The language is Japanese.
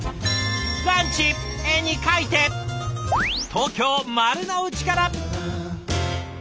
東京・丸の内から。